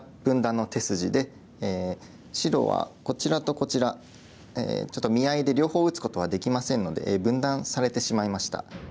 白はこちらとこちらちょっと見合いで両方打つことはできませんので分断されてしまいました。